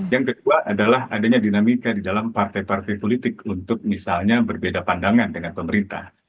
yang kedua adalah adanya dinamika di dalam partai partai politik untuk misalnya berbeda pandangan dengan pemerintah